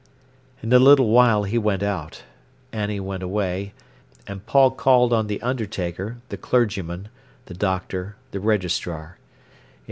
In a little while he went out. Annie went away, and Paul called on the undertaker, the clergyman, the doctor, the registrar.